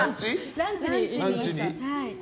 ランチに行きました。